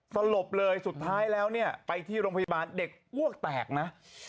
สลบเลยสุดท้ายแล้วเนี่ยไปที่โรงพยาบาลเด็กอ้วกแตกนะ